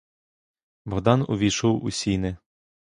Богдан увійшов у сіни.